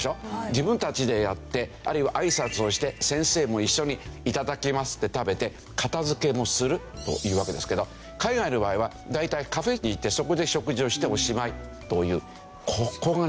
自分たちでやってあるいはあいさつをして先生も一緒にいただきますって食べて片付けもするというわけですけど海外の場合は大体カフェに行ってそこで食事をしておしまいというここがね